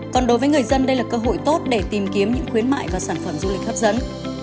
còn đối với người dân đây là cơ hội tốt để tìm kiếm những khuyến mại và sản phẩm du lịch hấp dẫn